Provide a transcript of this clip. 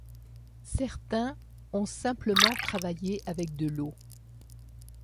Certains ont simplement travaillé avec de l'eau.